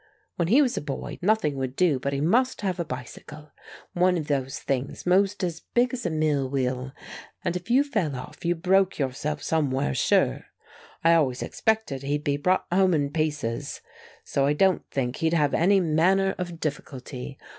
When he was a boy nothing would do but he must have a bicycle, one of those things most as big as a mill wheel, and if you fell off you broke yourself somewhere, sure. I always expected he'd be brought home in pieces. So I don't think he'd have any manner of difficulty.